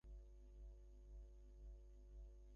আমাদের নিঃসঙ্গ হয়ে দাঁড়িয়ে থাকতে হবে।